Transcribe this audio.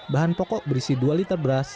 bahan pokok berisi dua liter beras